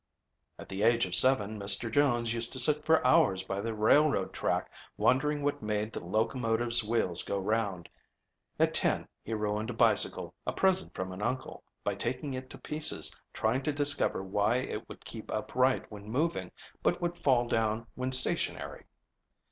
"At the age of seven Mr. Jones used to sit for hours by the railroad track wondering what made the locomotive's wheels go round. At ten he ruined a bicycle, a present from an uncle, by taking it to pieces trying to discover why it would keep upright when moving but would fall down when stationary."